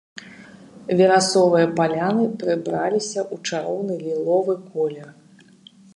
Верасовыя паляны прыбраліся ў чароўны ліловы колер.